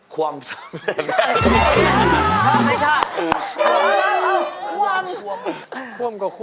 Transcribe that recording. ความสำเร็จ